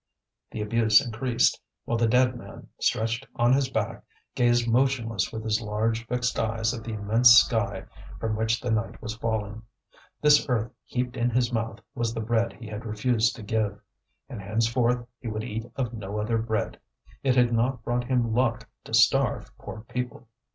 The abuse increased, while the dead man, stretched on his back, gazed motionless with his large fixed eyes at the immense sky from which the night was falling. This earth heaped in his mouth was the bread he had refused to give. And henceforth he would eat of no other bread. It had not brought him luck to starve poor people.